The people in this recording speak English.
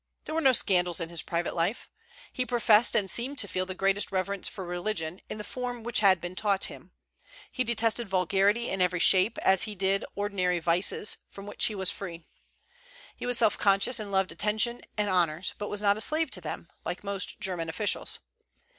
There were no scandals in his private life. He professed and seemed to feel the greatest reverence for religion, in the form which had been taught him. He detested vulgarity in every shape, as he did all ordinary vices, from which he was free. He was self conscious, and loved attention and honors, but was not a slave to them, like most German officials.